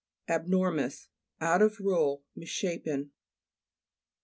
ABXO'HMOUS Out of rule; missha pen.